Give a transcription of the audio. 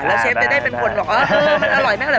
แล้วเชฟจะได้เป็นคนว่ามันอร่อยไม่อร่อย